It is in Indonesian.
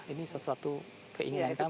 ini sesuatu keinginan kami